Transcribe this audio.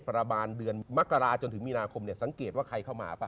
ประมาณเดือนมกราจนถึงมีนาคมเนี่ยสังเกตว่าใครเข้ามาป่